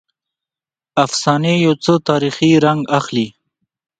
افسانې یو څه تاریخي رنګ اخلي.